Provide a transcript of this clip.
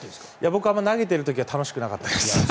僕は投げている時はあまり楽しくなかったです。